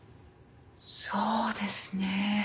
そうですね。